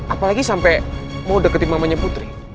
apalagi sampai mau deketin mamanya putri